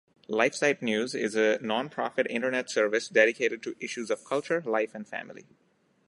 LifeSiteNews is a non-profit Internet service dedicated to issues of culture, life, and family.